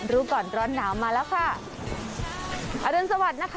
รู้ก่อนร้อนหนาวมาแล้วค่ะอรุณสวัสดิ์นะคะ